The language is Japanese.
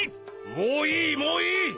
もういいもういい！